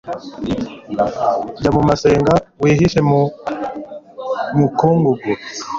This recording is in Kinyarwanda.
jya mu masenga, wihishe mu mukungugu